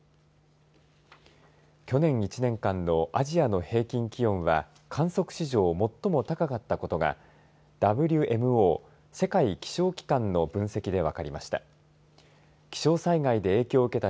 去年１年間のアジアの平均気温は観測史上最も高かったことがＷＭＯ＝世界気象機関の分析で分かりました。